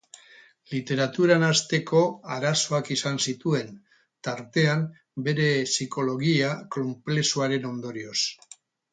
Literaturan hasteko arazoak izan zituen, tartean bere psikologia konplexuaren ondorioz.